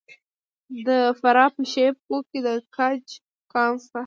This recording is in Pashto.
د فراه په شیب کوه کې د ګچ کان شته.